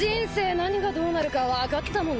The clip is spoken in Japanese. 何がどうなるか分かったもんじゃねえな。